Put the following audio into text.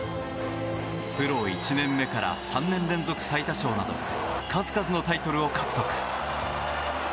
プロ１年目から３年連続最多勝など数々のタイトルを獲得。